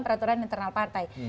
peraturan internal partai